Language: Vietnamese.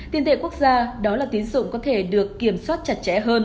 tiền tệ quốc gia đó là tín dụng có thể được kiểm soát chặt chẽ hơn